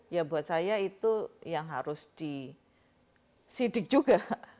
ya buat saya itu yang harus disidik juga